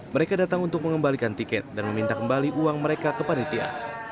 mereka datang untuk mengembalikan tiket dan meminta kembali uang mereka ke panitia